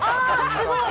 すごい！